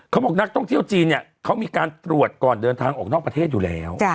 นักท่องเที่ยวจีนเนี่ยเขามีการตรวจก่อนเดินทางออกนอกประเทศอยู่แล้ว